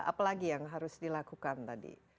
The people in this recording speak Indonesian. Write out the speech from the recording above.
apalagi yang harus dilakukan tadi